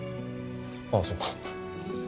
ああそうか。